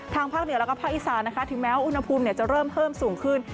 ภาคเหนือแล้วก็ภาคอีสานนะคะถึงแม้อุณหภูมิจะเริ่มเพิ่มสูงขึ้น